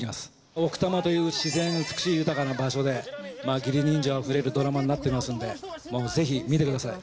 奥多摩という自然美しい豊かな場所でまあ義理人情あふれるドラマになってますんでもうぜひ見てください。